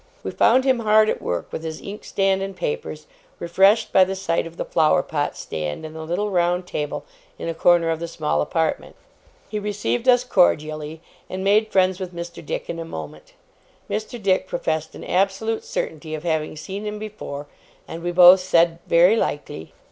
We found him hard at work with his inkstand and papers, refreshed by the sight of the flower pot stand and the little round table in a corner of the small apartment. He received us cordially, and made friends with Mr. Dick in a moment. Mr. Dick professed an absolute certainty of having seen him before, and we both said, 'Very likely.